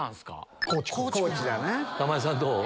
玉井さんどう？